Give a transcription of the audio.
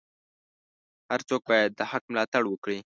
هر څوک باید د حق ملاتړ وکړي.